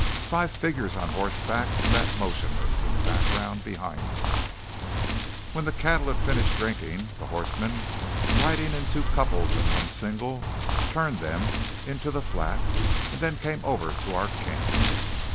Five figures on horseback sat motionless in the background behind them. When the cattle had finished drinking, the horsemen, riding in two couples and one single, turned them into the flat, and then came over to our camp.